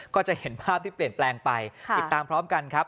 ก็จะเห็นภาพที่เปลี่ยนแปลงไปติดตามพร้อมกันครับ